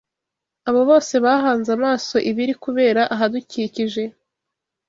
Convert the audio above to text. abo bose bahanze amaso ibiri kubera ahadukikije